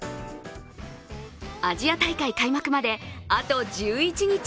アジア大会開幕まで、あと１１日。